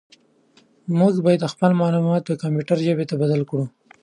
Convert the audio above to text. موږ باید خپل معلومات د کمپیوټر ژبې ته بدل کړو.